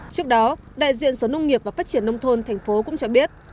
trước đó đại diện sở nông nghiệp và phát triển nông thôn thành phố cũng cho biết